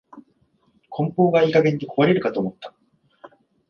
梱包がいい加減で壊れるかと思った